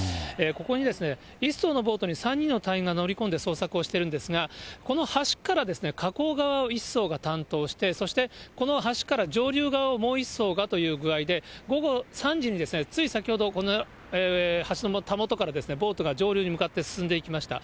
ここに１そうのボートに３人の隊員が乗り込んで捜索をしているんですが、この橋から河口側を１そうが担当して、そしてこの橋から上流側をもう１そうがという具合で午後３時に、つい先ほど、この橋のたもとからボートが上流に向かって進んでいきました。